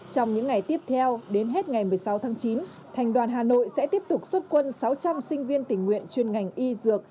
trong những ngày tiếp theo đến hết ngày một mươi sáu tháng chín thành đoàn hà nội sẽ tiếp tục xuất quân sáu trăm linh sinh viên tình nguyện chuyên ngành y dược